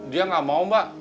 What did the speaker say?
dia gak mau mbak